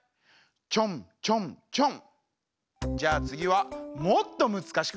ちょんちょんちょん。